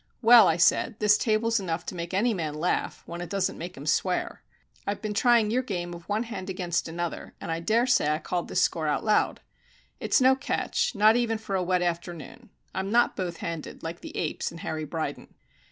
"Well," I said, "this table's enough to make any man laugh, when it don't make him swear. I've been trying your game of one hand against another, and I daresay I called the score out loud. It's no catch not even for a wet afternoon. I'm not both handed, like the apes and Harry Bryden."